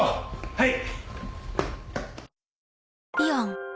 はい！